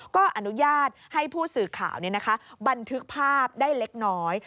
ก็อนุญาตให้ผู้สื่อข่าวบันทึกภาพได้เล็กน้อย